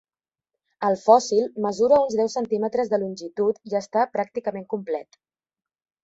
El fòssil mesura uns deu centímetres de longitud i està pràcticament complet.